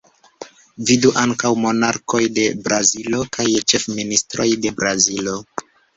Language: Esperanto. Vidu ankaŭ Monarkoj de Brazilo kaj Ĉefministroj de Brazilo.